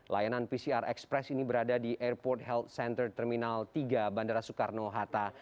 layanan pcr express ini berada di airport health center terminal tiga bandara soekarno hatta